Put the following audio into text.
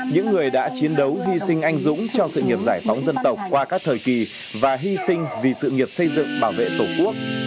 những người đã chiến đấu hy sinh anh dũng cho sự nghiệp giải phóng dân tộc qua các thời kỳ và hy sinh vì sự nghiệp xây dựng bảo vệ tổ quốc